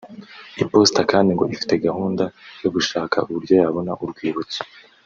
Iposita kandi ngo ifite gahunda yo gushaka uburyo yabona urwibutso